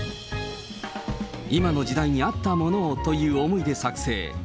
今の時代に合ったものをという思いで作成。